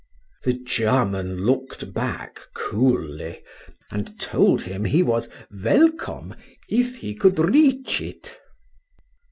—The German look'd back coolly, and told him he was welcome, if he could reach it.